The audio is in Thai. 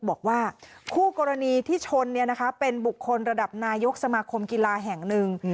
บอกว่าคู่กรณีที่ชนเป็นบุคคลระดับนายกสมาคมกีฬาแห่งหนึ่ง